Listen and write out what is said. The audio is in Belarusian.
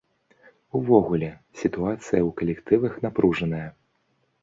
Увогуле, сітуацыя ў калектывах напружаная.